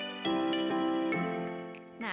untuk membuatnya menjadi tempat yang sangat menyenangkan